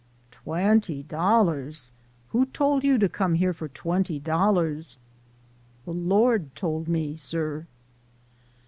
" Twenty dollars f Who told you to come here for twenty dollars ?"" De Lord tole me, sir."